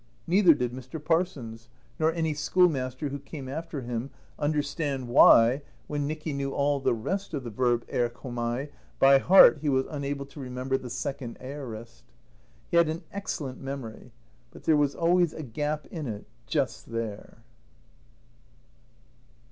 Neither did Mr. Parsons, nor any schoolmaster who came after him understand why, when Nicky knew all the rest of the verb [Greek: erchomai] by heart he was unable to remember the second aorist. He excellent memory, but there was always a gap in it just there.